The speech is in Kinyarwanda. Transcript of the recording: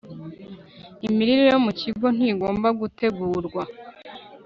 Imirire yo mu kigo ntigomba gutegurwa